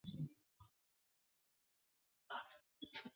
但玛格丽特女王并未能如实行事。